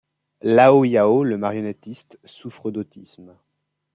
Lao-Yao, le marionnettiste, souffre d'autisme.